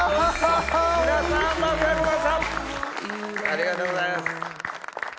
ありがとうございます。